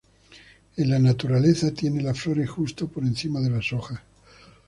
En la naturaleza tiene las flores justo por encima de las hojas.